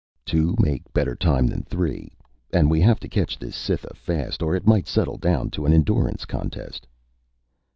"Two make better time than three. And we have to catch this Cytha fast or it might settle down to an endurance contest."